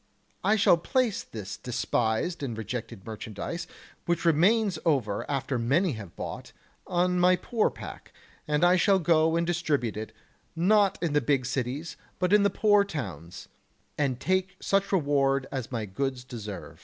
I shall place this despised and rejected merchandise, which remains over after many have bought, on my poor pack, and I shall go and distribute it, not in the big cities, but in the poor towns, and take such reward as my goods deserve.